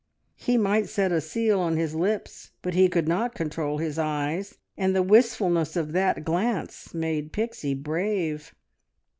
He might set a seal on his lips, but he could not control his eyes, and the wistfulness of that glance made Pixie brave.